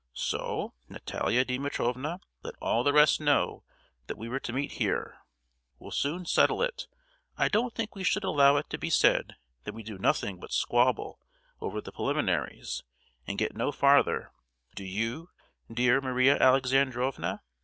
So Natalia Dimitrievna let all the rest know that we were to meet here! We'll soon settle it—I don't think we should allow it to be said that we do nothing but 'squabble' over the preliminaries and get no farther, do you, dear Maria Alexandrovna?"